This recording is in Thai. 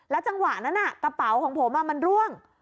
จังหวะนั้นกระเป๋าของผมมันร่วง